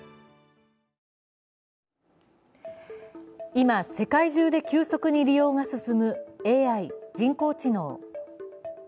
今、世界中で急速に利用が進むＡＩ＝人工知能。